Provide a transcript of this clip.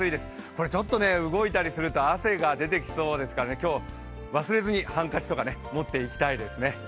これ、ちょっと動いたりすると汗が出てきそうですから今日、忘れずにハンカチとか持っていきたいですね。